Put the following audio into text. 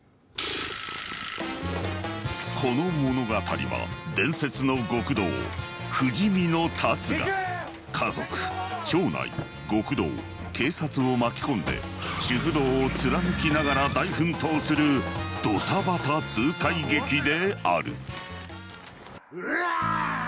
この物語は伝説の極道不死身の龍が家族町内極道警察を巻き込んで主夫道を貫きながら大奮闘するドタバタ痛快劇であるうらぁ！